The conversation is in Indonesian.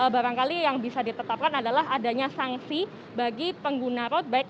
barangkali yang bisa ditetapkan adalah adanya sanksi bagi pengguna road bike